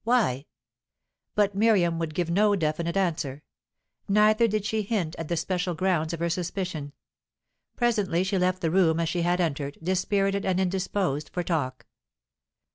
"Why?" But Miriam would give no definite answer. Neither did she hint at the special grounds of her suspicion. Presently she left the room as she had entered, dispirited and indisposed for talk.